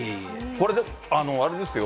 これであれですよ。